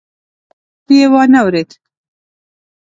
جواب يې وانه ورېد.